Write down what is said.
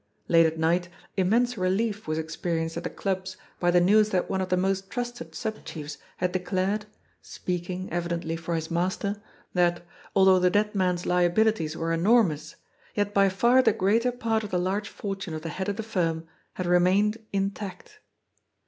Late at night immense relief was experienced at the clubs by the news that one of the most trusted sub chiefs had declared, speaking, evidently, for his master, that, although the dead man's liabilities were enormous, yet by far the greater part of the large fortune of the head of the firm had remained intact.